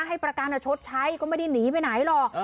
ให้ประกันชดใช้ก็ไม่ได้หนีไปไหนหรอก